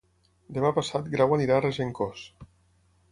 Demà passat en Grau anirà a Regencós.